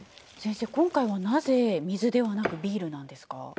先生今回はなぜ水ではなくビールなんですか？